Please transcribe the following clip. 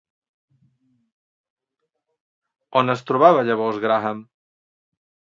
On es trobava llavors Graham?